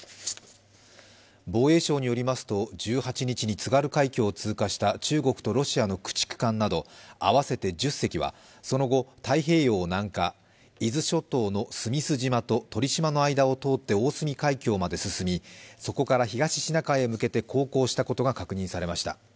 防衛省によりますと、１８日に津軽海峡を通過した中国とロシアの駆逐艦など合わせて１０隻は、その後、太平洋を南下、伊豆諸島の須美寿島と鳥島の間を通って大隅海峡まで進みそこから東シナ海へ向けて航行したことが確認されました。